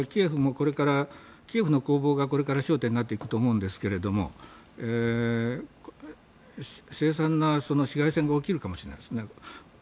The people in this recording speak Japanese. だからキエフの攻防がこれから焦点になっていくと思うんですけれども凄惨な市街戦が起きるかもしれないですね。